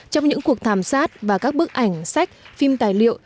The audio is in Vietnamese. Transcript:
trong những cuộc thảm sát và các bức ảnh sách phim tài liệu